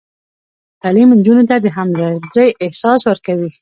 تعلیم نجونو ته د همدردۍ احساس ورکوي.